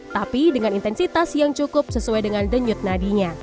tapi dengan intensitas yang cukup sesuai dengan denyut nadinya